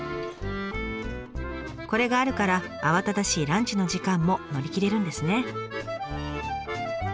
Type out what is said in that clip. これがあるから慌ただしいランチの時間も乗り切れるんですね。